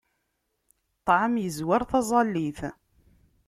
Ṭṭɛam yezwar taẓẓalit.